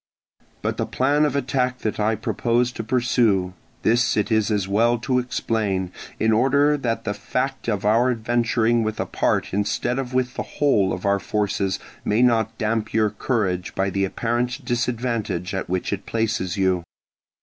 But the plan of attack that I propose to pursue, this it is as well to explain, in order that the fact of our adventuring with a part instead of with the whole of our forces may not damp your courage by the apparent disadvantage at which it places you.